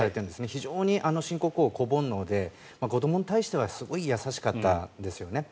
非常に新国王、子煩悩で子どもに対してはすごい優しかったんですよね。